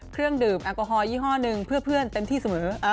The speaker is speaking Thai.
เครื่องดื่มแอลกอฮอลยี่ห้อหนึ่งเพื่อเพื่อนเต็มที่เสมอ